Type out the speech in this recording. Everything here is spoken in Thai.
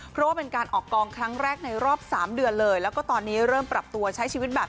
เพราะว่าเป็นการออกกองครั้งแรกในรอบ๓เดือนเลยแล้วก็ตอนนี้เริ่มปรับตัวใช้ชีวิตแบบ